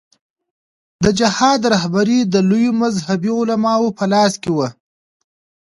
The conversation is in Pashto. د جهاد رهبري د لویو مذهبي علماوو په لاس کې وه.